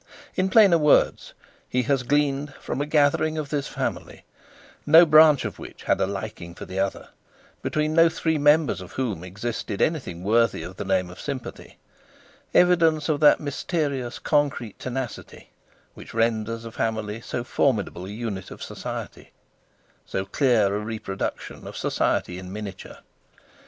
In plainer words, he has gleaned from a gathering of this family—no branch of which had a liking for the other, between no three members of whom existed anything worthy of the name of sympathy—evidence of that mysterious concrete tenacity which renders a family so formidable a unit of society, so clear a reproduction of society in miniature.